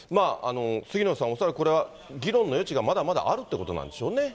杉野さん、恐らくこれは議論の余地がまだまだあるということなんでしょうね。